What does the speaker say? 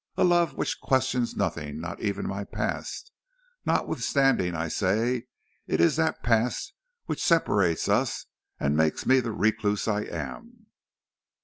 a love which questions nothing, not even my past, notwithstanding I say it is that past which separates us and makes me the recluse I am."